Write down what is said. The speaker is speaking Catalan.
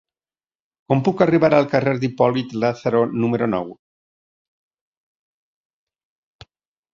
Com puc arribar al carrer d'Hipòlit Lázaro número nou?